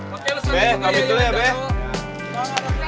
oke lu semangat dukung gue ya